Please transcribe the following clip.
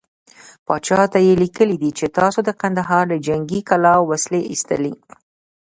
پاچا ته يې ليکلي دي چې تاسو د کندهار له جنګې کلا وسلې ايستلې.